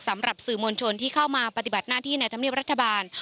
สำหรับสื่อมวลชนที่เข้ามาปฏิบัติหน้าที่ในธรรมเนียบรัฐบาล